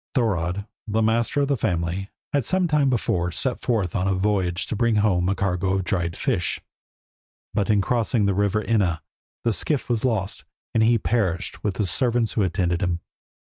Thorodd, the master of the family, had some time before set forth on a voyage to bring home a cargo of dried fish; but in crossing the river Enna the skiff was lost and he perished with the servants who attended him.